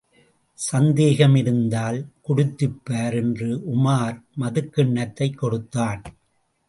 சந்தேகமாயிருந்தால் குடித்துப்பார் என்று உமார் மதுக்கிண்ணத்தைக் கொடுத்தான்.